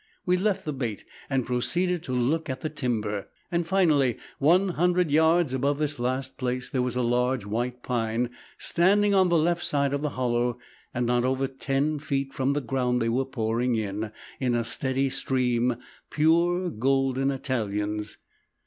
We left the bait and proceeded to look at the timber. Finally one hundred yards above this last place there was a large white pine standing on the left side of the hollow and not over ten feet from the ground they were pouring in, in a steady stream, pure golden Italians.